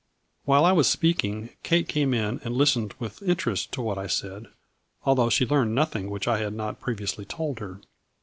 While I was speaking Kate came in and listened with inter est to what I said, although she learned nothing which I had not previously told her.